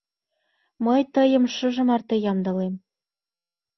Мый тыйым шыже марте ямдылем.